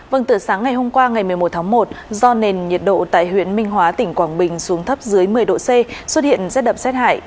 vâng từ sáng ngày hôm qua ngày một mươi một tháng một do nền nhiệt độ tại huyện minh hóa tỉnh quảng bình xuống thấp dưới một mươi độ c xuất hiện rét đậm rét hại